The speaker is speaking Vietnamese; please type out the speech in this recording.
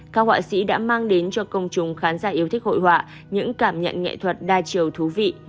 các họa sĩ đã mang đến cho công chúng khán giả yêu thích hội họa những cảm nhận nghệ thuật đa chiều thú vị